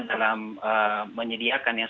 dalam menyediakan yang